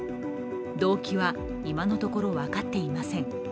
動機は今のところ分かっていません。